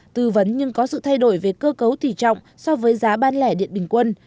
tư vấn nhưng có sự thay đổi về cơ cấu tỷ trọng so với giá bán lẻ điện bình quân